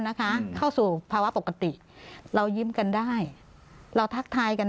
นะคะเข้าสู่ภาวะปกติเรายิ้มกันได้เราทักทายกัน